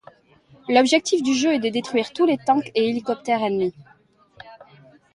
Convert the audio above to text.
L'objectif du jeu est de détruire tous les tanks et hélicoptères ennemies.